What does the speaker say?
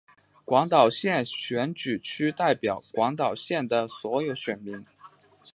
广岛县选举区代表广岛县的所有选民。